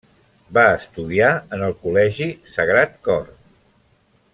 Va estudiar en el col·legi Sagrat Cor.